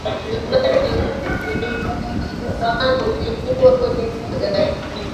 na bado mkutano ulikuwa kwenye magari